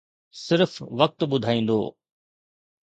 صرف وقت ٻڌائيندو.